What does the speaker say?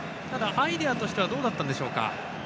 アイデアとしてはどうだったんでしょうか？